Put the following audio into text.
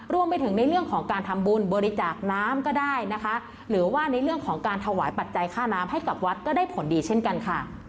รวมไปถึงในเรื่องของการทำบุญบริจาคน้ำก็ได้นะคะหรือว่าในเรื่องของการถวายปัจจัยค่าน้ำให้กับวัดก็ได้ผลดีเช่นกันค่ะ